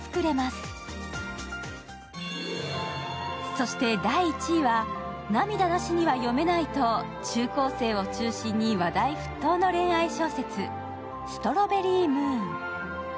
そして第１位は涙なしには読めないと中高生を中心に話題沸騰の恋愛小説「ストロベリームーン」。